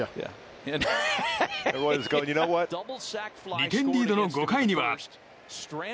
２点リードの５回には。